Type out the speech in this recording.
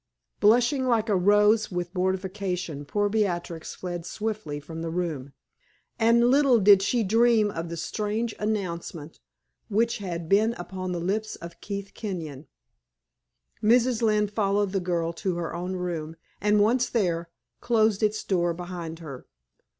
Blushing like a rose with mortification, poor Beatrix fled swiftly from the room. And little did she dream of the strange announcement which had been upon the lips of Keith Kenyon. Mrs. Lynne followed the girl to her own room, and once there, closed its door behind her.